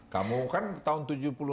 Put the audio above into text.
kamu kan tahun tujuh puluh